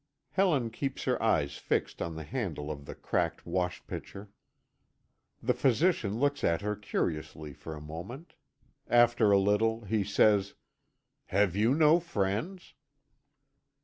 Helen keeps her eyes fixed on the handle of the cracked wash pitcher. The physician looks at her curiously for a moment. After a little he says: "Have you no friends?"